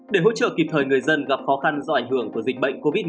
để hỗ trợ kịp thời người dân gặp khó khăn do ảnh hưởng của dịch bệnh covid một mươi chín